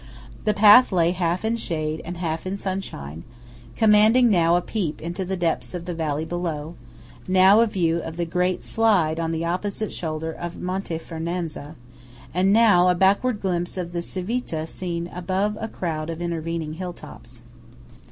The path lay half in shade and half in sunshine, commanding now a peep into the depths of the valley below; now a view of the great "slide" 13 on the opposite shoulder of Monte Fernazza; and now a backward glimpse of the Civita seen above a crowd of intervening hill tops.